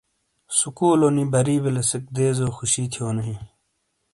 سکولونی بری بیلیسیک دیزو خوشی تھیونو ہی۔